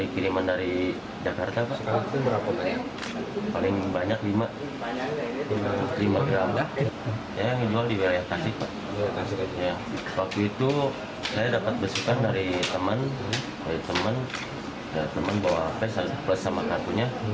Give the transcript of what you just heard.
cuma dari itu saja pak